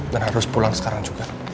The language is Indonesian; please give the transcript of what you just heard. dan harus pulang sekarang juga